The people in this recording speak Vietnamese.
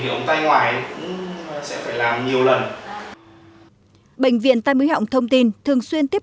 cái ống tay ngoài ấy cũng sẽ phải làm nhiều lần bệnh viện tây mứ họng thông tin thường xuyên tiếp